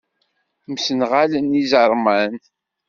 Msenɣalen iẓeṛman.